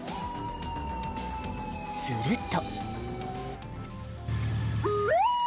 すると。